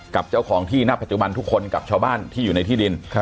กับเจ้าของที่ณปัจจุบันทุกคนกับชาวบ้านที่อยู่ในที่ดิน